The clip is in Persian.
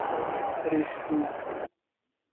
روسبی